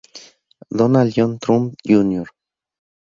Donald John Trump Jr.